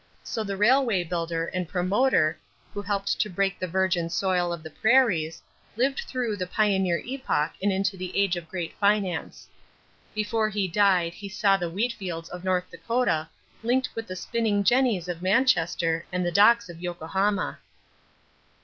So the railway builder and promoter, who helped to break the virgin soil of the prairies, lived through the pioneer epoch and into the age of great finance. Before he died he saw the wheat fields of North Dakota linked with the spinning jennies of Manchester and the docks of Yokohama.